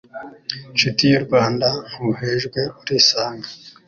nshuti y'u Rwanda ntuhejwe urisanga